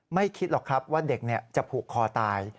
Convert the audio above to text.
ไม่คิดหรอกครับว่าเด็กจะผูกคอตาย